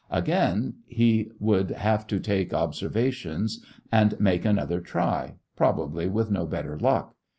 Again, he would have to take observations and make another try, probably with no better luck.